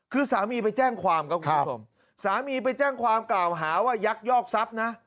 คือสามีไปแจ้งความครับคุณผู้ชมสามีไปแจ้งความกล่าวหาว่ายักยอกทรัพย์นะ